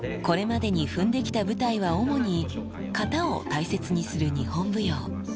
これまでに踏んできた舞台は、主に、型を大切にする日本舞踊。